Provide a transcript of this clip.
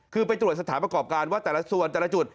คือไปตรวจสถานประกอบการว่าแต่ละส่วนแต่ละจุด